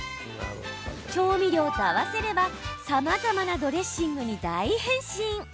調味料と合わせればさまざまなドレッシングに大変身。